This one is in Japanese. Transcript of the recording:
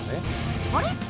あれ？